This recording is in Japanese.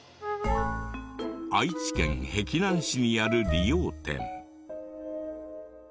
愛知県碧南市にある理容店。